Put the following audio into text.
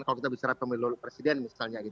kalau kita bicara pemilu presiden misalnya